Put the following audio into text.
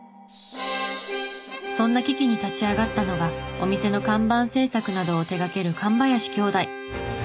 そんな危機に立ち上がったのがお店の看板制作などを手掛ける神林兄弟。